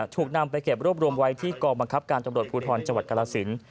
ถูกนำไปเก็บรวมได้ที่กรบังคับการปลูทรจังหวัดกรสินทร์